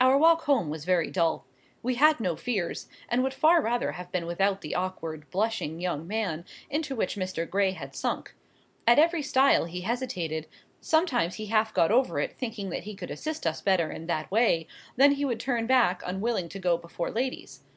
Our walk home was very dull. We had no fears; and would far rather have been without the awkward, blushing young man, into which Mr. Gray had sunk. At every stile he hesitated,—sometimes he half got over it, thinking that he could assist us better in that way; then he would turn back unwilling to go before ladies.